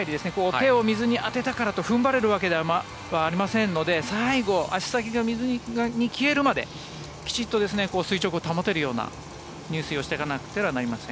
手を水に当てたからと踏ん張れるわけではありませんので最後、足先が水に消えるまできちんと垂直を保てるような入水をしなくてはなりません。